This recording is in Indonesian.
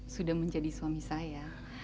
sudah menjadi suami saya